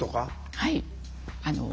はい。